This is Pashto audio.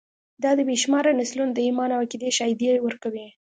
دا د بې شمېره نسلونو د ایمان او عقیدې شاهدي ورکوي.